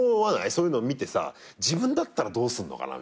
そういうの見て自分だったらどうすんのかな。